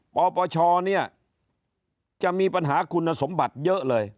ปปชเนี่ยจะมีปัญหาคุณสมบัติเยอะเลย